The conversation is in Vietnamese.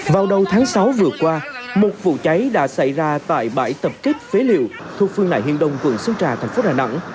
vào đầu tháng sáu vừa qua một vụ cháy đã xảy ra tại bãi tập kết phế liệu thuộc phương nại hiên đông quận sơn trà thành phố đà nẵng